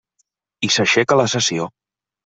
I s'aixeca la sessió.